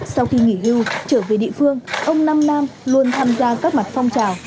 sau khi nghỉ hưu trở về địa phương ông nam nam luôn tham gia các mặt phong trào